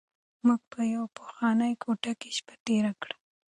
موږ په یوه پخوانۍ کوټه کې شپه تېره کړه.